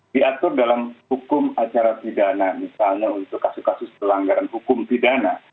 diatur dalam hukum acara pidana misalnya untuk kasus kasus pelanggaran hukum pidana